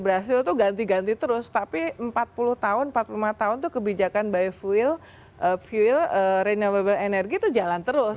brazil tuh ganti ganti terus tapi empat puluh tahun empat puluh lima tahun itu kebijakan by fuel renewable energy itu jalan terus